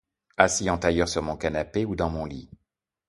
Assis en tailleur sur mon canapé ou dans mon lit.